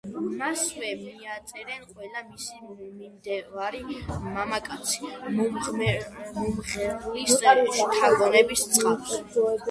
მასვე მიაწერენ ყველა მისი მიმდევარი მამაკაცი მომღერლის შთაგონების წყაროს.